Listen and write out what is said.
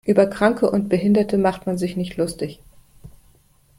Über Kranke und Behinderte macht man sich nicht lustig.